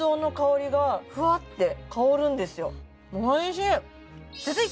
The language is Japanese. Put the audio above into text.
おいしい！